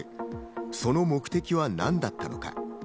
その目的は何だったのか？